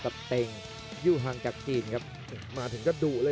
กันต่อแพทย์จินดอร์